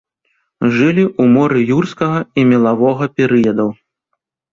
Жылі ў моры юрскага і мелавога перыядаў.